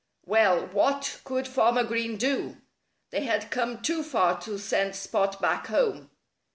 Well, what could Farmer Green do? They had come too far to send Spot back home.